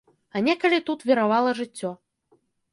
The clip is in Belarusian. А некалі тут віравала жыццё.